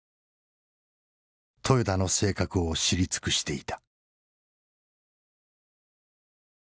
豊田の性格を知り尽くしていた。